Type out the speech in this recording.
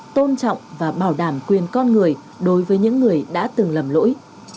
tôn trọng và bảo đảm quyền con người đối với những người đã từng lầm lỗi